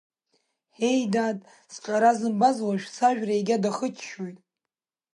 Ҳеи, дад, сҿара зымбаз уажәы сажәра иага дахыччоит.